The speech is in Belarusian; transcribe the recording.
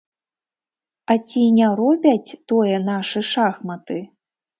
А ці не робяць тое нашы шахматы?